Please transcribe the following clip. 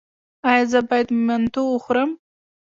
ایا زه باید منتو وخورم؟